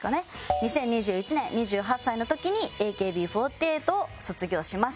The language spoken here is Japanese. ２０２１年２８歳の時にＡＫＢ４８を卒業しました。